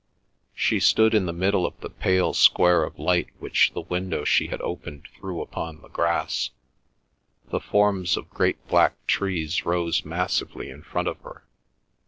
She stood in the middle of the pale square of light which the window she had opened threw upon the grass. The forms of great black trees rose massively in front of her.